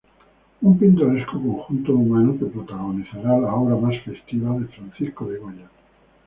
Un pintoresco conjunto humano que protagonizará la obra más festiva de Francisco de Goya.